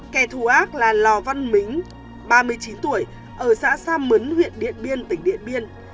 kẻ thù ác là lò văn mính ba mươi chín tuổi ở xã sa mấn huyện điện biên tỉnh điện biên